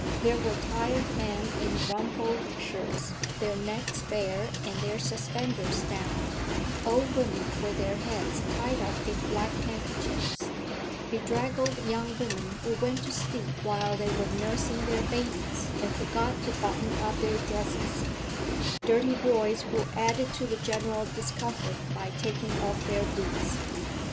There were tired men in rumpled shirts, their necks bare and their suspenders down; old women with their heads tied up in black handkerchiefs; bedraggled young women who went to sleep while they were nursing their babies and forgot to button up their dresses; dirty boys who added to the general discomfort by taking off their boots.